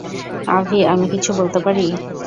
আভি, আমি কিছু বলতে পারি?